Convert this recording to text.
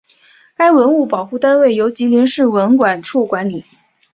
该文物保护单位由吉林市文管处管理。